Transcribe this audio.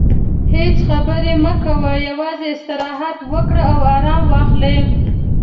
هیڅ خبرې مه کوه، یوازې استراحت وکړه او ارام واخلې.